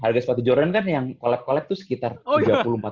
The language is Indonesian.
harga sepatu jordan kan yang collect collect tuh sekitar tiga puluh empat puluh juta